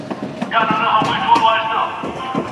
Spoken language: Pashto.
خلک باید نښې وپېژني.